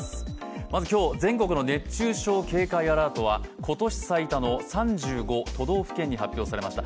まず今日、全国の熱中症警戒アラートは今年最多の３５都道府県に発表されました。